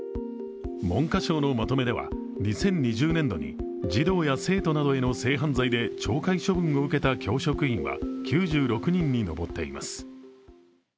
文科省のまとめでは、２０２０年度に児童や生徒などへの性犯罪で懲戒免職を受けた教職員は９６人に上っています。